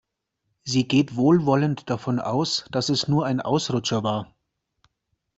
Sie geht wohlwollend davon aus, dass es nur ein Ausrutscher war.